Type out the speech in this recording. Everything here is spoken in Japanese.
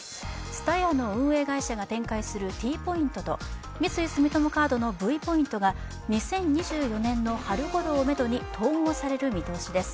ＴＳＵＴＡＹＡの運営会社が展開するＴポイントと三井住友カードのＶポイントが２０２４年の春ごろをめどに統合される見通しです。